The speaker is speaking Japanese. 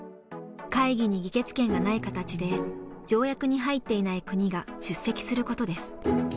会議に議決権がない形で条約に入っていない国が出席することです。